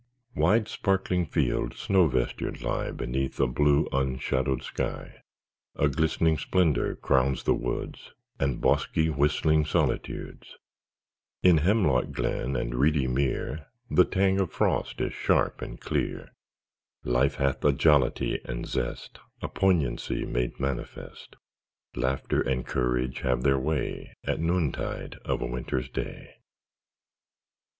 II Wide, sparkling fields snow vestured lie Beneath a blue, unshadowed sky; A glistening splendor crowns the woods And bosky, whistling solitudes; In hemlock glen and reedy mere The tang of frost is sharp and clear; Life hath a jollity and zest, A poignancy made manifest; Laughter and courage have their way At noontide of a winter's day.